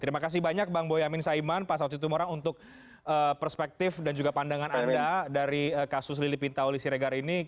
terima kasih banyak bang boyamin saiman pak saud situmorang untuk perspektif dan juga pandangan anda dari kasus lili pintauli siregar ini